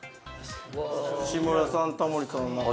志村さんタモリさん中居さん